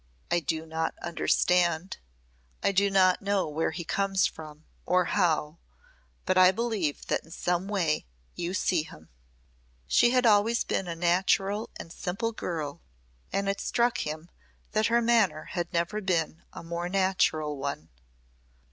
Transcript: I do not understand. I do not know where he comes from or how, but I believe that in some way you see him." She had always been a natural and simple girl and it struck him that her manner had never been a more natural one.